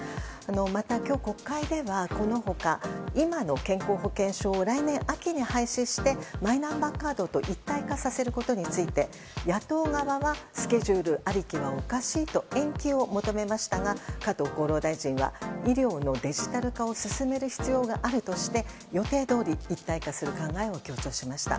また今日、国会ではこの他今の健康保険証を来年秋に廃止してマイナンバーカードと一体化させることについて野党側はスケジュールありきはおかしいと延期を求めましたが加藤厚労大臣は医療のデジタル化を進める必要があるとして予定どおり一体化する考えを強調しました。